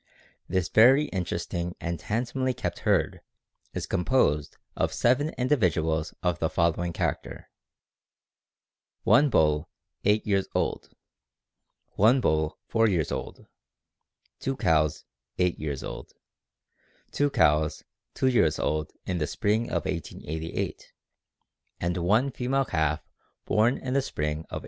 _ This very interesting and handsomely kept herd is composed of seven individuals of the following character: One bull eight years old, one bull four years old, two cows eight years old, two cows two years old in the spring of 1888, and one female calf born in the spring of 1888.